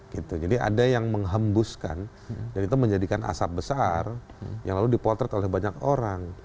gitu jadi ada yang menghembuskan dan itu menjadikan asap besar yang lalu dipotret oleh banyak orang